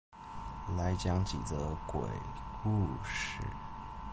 來講幾則鬼故事